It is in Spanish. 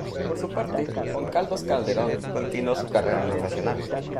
Por su parte, Juan Carlos Calderón continuó con su carrera profesional.